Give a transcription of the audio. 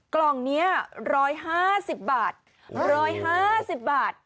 กล่องเนี้ยร้อยห้าสิบบาทร้อยห้าสิบบาท